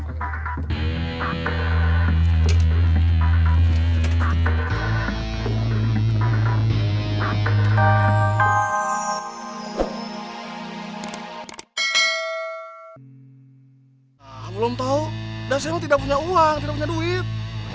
sampai jumpa di video selanjutnya